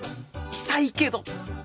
したいけど